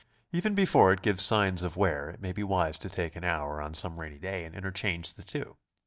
Even before it gives signs of wear, it may be wise to take an hour on some rainy day and interchange the two.